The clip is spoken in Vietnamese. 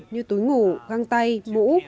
như túi ngủ găng tay mũ